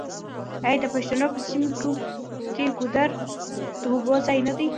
آیا د پښتنو په سیمو کې ګودر د اوبو ځای نه دی؟